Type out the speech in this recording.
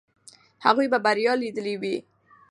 هغوی به بریا لیدلې وي.